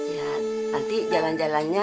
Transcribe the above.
ya nanti jalan jalannya